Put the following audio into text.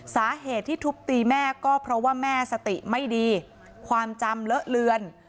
สาเหตุที่ทุบตีแม่ก็เพราะว่าแม่สติไม่ดีความจำเลอะเลือน